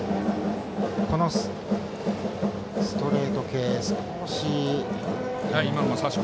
このストレート系少し。